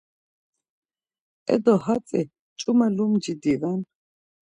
E do hatzi ç̌ume lumci diven.